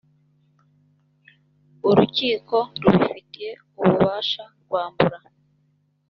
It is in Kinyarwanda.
urukiko rubifitiye ububasha rwambura